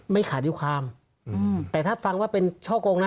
ไม่ขาดิวความแต่ถ้าฟังว่าเป็นช่อกงนะ